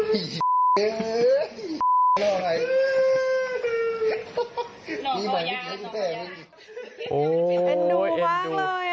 เห็นดูบ้างเลย